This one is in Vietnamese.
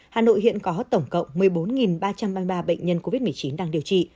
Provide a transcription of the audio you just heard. hà nội hiện có tổng cộng một mươi bốn ba trăm ba mươi ba bệnh nhân covid một mươi chín đang điều trị